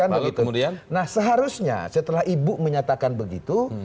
nah seharusnya setelah ibu menyatakan begitu